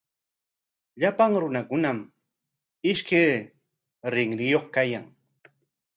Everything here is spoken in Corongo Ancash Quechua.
Llapan runakunami ishkay rinriyuq kayan.